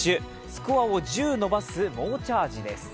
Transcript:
スコアを１０伸ばす猛チャージです。